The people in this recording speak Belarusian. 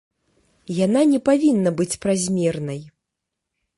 Яна не павінна быць празмернай.